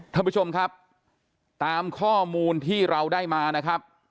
ท่านผู้ชมครับตามข้อมูลที่เราได้มานะครับ